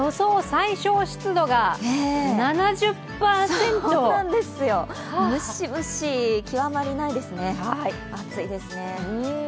最小湿度が７０％ムシムシ極まりないですね暑いですね。